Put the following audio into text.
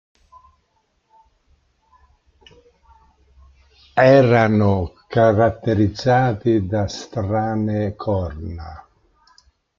Erano caratterizzati da strane corna.